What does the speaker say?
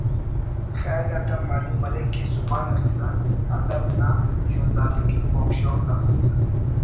خیال آتیان معلوم مریک کہ زبان سینا ادب نا شونداری کن بوگ شوگ نا صنف